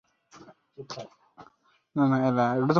সেনাবাহিনী সাঁতার কমপ্লেক্সটি এই স্টেডিয়ামের পাশেই অবস্থিত।